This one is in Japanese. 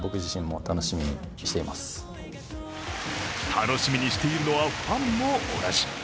楽しみにしているのはファンも同じ。